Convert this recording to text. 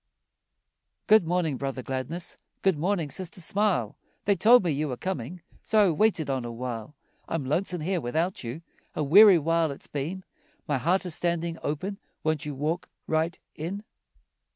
Good morning, Brother Gladness, Good morning, Sister Smile, They told me you were coming, So I waited on a while. I'm lonesome here without you, A weary while it's been, My heart is standing open, Won't you walk right in?